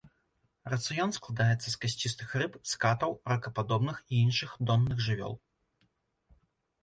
Рацыён складаецца з касцістых рыб, скатаў, ракападобных і іншых донных жывёл.